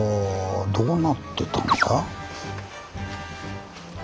どうなってたんだ？